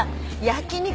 焼き肉？